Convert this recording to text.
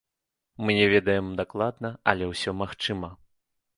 Мы не ведаем дакладна, але ўсё магчыма.